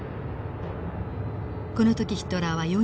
この時ヒトラーは４０歳。